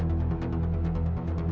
aku mau ke rumah